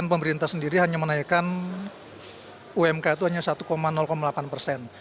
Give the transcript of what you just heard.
pemerintah sendiri hanya menaikkan umk itu hanya satu delapan persen